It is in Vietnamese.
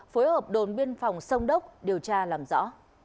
phối hợp đồn biên phòng sông đốc điều tra làm rõ